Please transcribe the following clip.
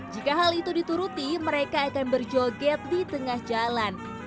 jika hal itu dituruti mereka akan berjoget di tengah jalan